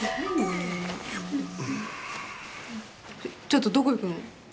ちょっとどこ行くの？